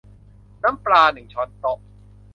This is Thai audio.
น้ำปลา หนึ่งช้อนโต๊ะ